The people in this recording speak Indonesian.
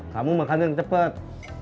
kamu makan yang cepet